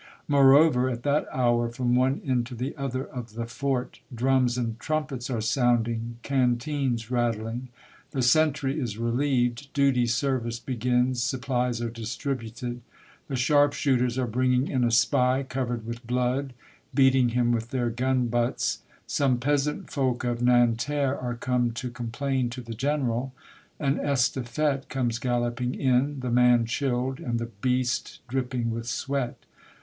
Moreover, at that hour from one end to the other of the fort drums and trumpets are sounding, can teens ratthng. The sentry is relieved, duty service begins, supplies are distributed ; the sharp shooters are bringing in a spy, covered with blood, beating him with their gun butts. Some peasant folk of Nanterre are come to complain to the General ; an estafette comes galloping in, the man chilled, and the beast dripping with sweat.